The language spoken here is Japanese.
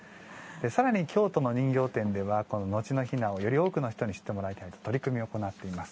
さらに京都の人形店では後の雛をより多くの人に知ってもらうため取り組みを行っています。